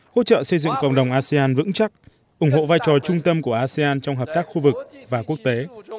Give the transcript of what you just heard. hỗ trợ xây dựng cộng đồng asean vững chắc ủng hộ vai trò trung tâm của asean trong hợp tác khu vực và quốc tế